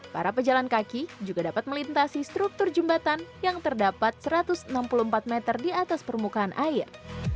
para pejalan kaki juga dapat melintasi struktur jembatan yang terdapat satu ratus enam puluh empat meter di atas permukaan air